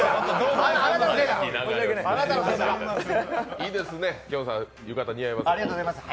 いいですね、きょんさん浴衣似合いますよ。